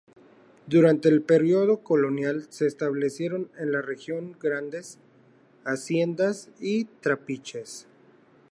Durante el período colonial, se establecieron en la región grandes haciendas y trapiches.